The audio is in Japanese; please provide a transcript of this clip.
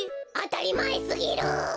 あたりまえすぎる。